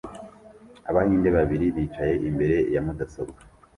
Abahinde babiri bicaye imbere ya mudasobwa